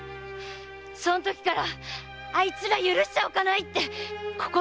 そのときからあいつら許しちゃおかないって心に決めたんです。